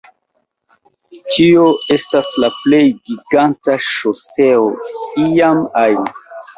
Tio estas la plej giganta ŝoseo iam ajn